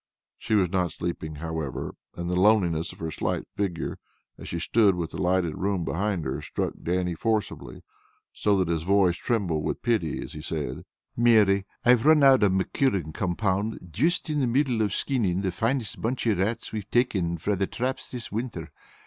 She was not sleeping, however, and the loneliness of her slight figure, as she stood with the lighted room behind her, struck Dannie forcibly, so that his voice trembled with pity as he said: "Mary, I've run out o' my curing compound juist in the midst of skinning the finest bunch o' rats we've taken frae the traps this winter.